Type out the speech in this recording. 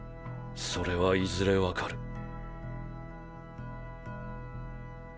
それはいずれわかる。